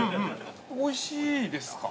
◆おいしいですか。